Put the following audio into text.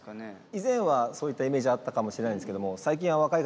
以前はそういったイメージあったかもしれないんですけども最近は若い方でもかなり。